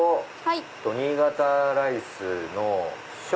新潟ライスの小。